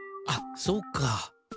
あっそっか。